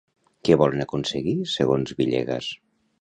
Què volen aconseguir, segons Villegas?